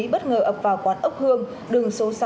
bất ngờ ập vào quán ốc hương đường số sáu